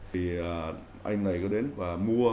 thì anh này có đến và mua